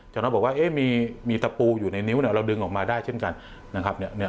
จากนั้นบอกว่ามีตะปูอยู่ในนิ้วเราดึงออกมาได้เช่นกันนะครับ